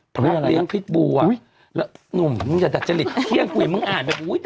อักเลียวอะไรอย่างพริกบูอ่ะอุ๊ยแล้วนุ่มนี่ลักษณะลิดเคี่ยงกูย